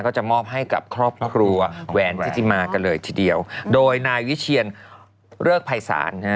ก็จะมอบให้กับครอบครัวแหวนทิติมากันเลยทีเดียวโดยนายวิเชียนเริกภัยศาลนะฮะ